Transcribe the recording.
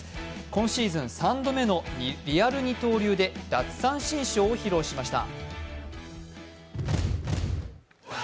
今シーズン３度目のリアル二刀流で奪三振ショーを披露しました。